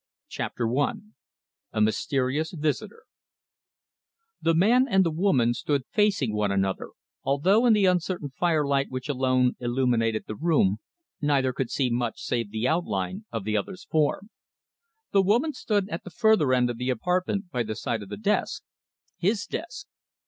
'" CHAPTER I A MYSTERIOUS VISITOR The man and the woman stood facing one another, although in the uncertain firelight which alone illuminated the room neither could see much save the outline of the other's form. The woman stood at the further end of the apartment by the side of the desk his desk.